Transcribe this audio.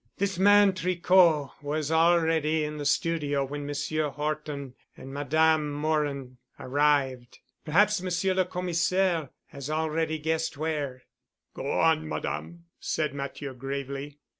This man Tricot was already in the studio when Monsieur Horton and Madame Morin arrived. Perhaps Monsieur le Commissaire has already guessed where." "Go on, Madame," said Matthieu gravely.